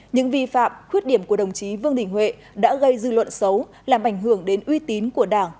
những vi phạm khuyết điểm của đồng chí vương đình huệ đã gây dư luận xấu làm ảnh hưởng đến uy tín của đảng